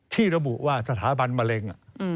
ที่ระบุว่าสถาบันมะเร็ง